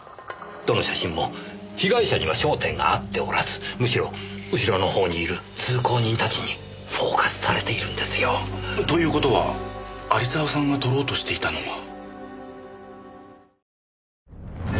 どの写真も被害者には焦点が合っておらずむしろ後ろのほうにいる通行人たちにフォーカスされているんですよ。という事は有沢さんが撮ろうとしていたのは。